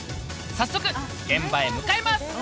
早速現場へ向かいます！